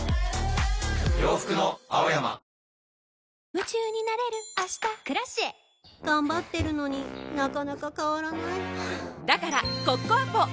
夢中になれる明日「Ｋｒａｃｉｅ」頑張ってるのになかなか変わらないはぁだからコッコアポ！